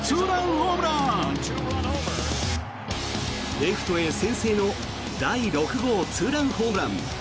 レフトへ、先制の第６号ツーランホームラン。